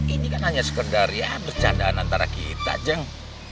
ini kan hanya sekedar ya bercandaan antara kita yang